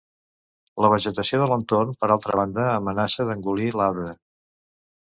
La vegetació de l'entorn, per altra banda, amenaça d'engolir l'arbre.